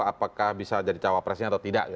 apakah bisa jadi cawapresnya atau tidak